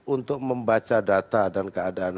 untuk membaca data dan keadaan